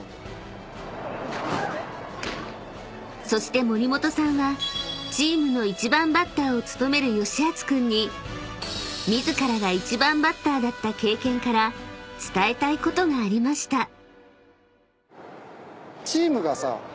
［そして森本さんはチームの１番バッターを務めるよしあつ君に自らが１番バッターだった経験から伝えたいことがありました］